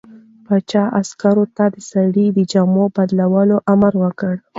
پاچا عسکرو ته د سړي د جامو د بدلولو امر وکړ.